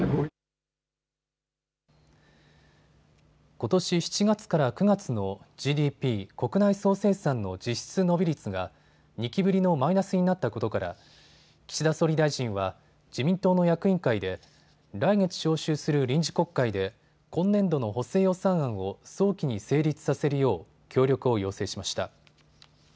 ことし７月から９月のＧＤＰ・国内総生産の実質伸び率が２期ぶりのマイナスになったことから岸田総理大臣は、自民党の役員会で来月召集する臨時国会で今年度の補正予算案を早期に成立させるよう協力を要請しました。